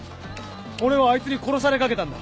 俺はあいつに殺されかけたんだ。